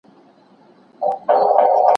تکوینی پوښتنې تاریخ ته ګوري.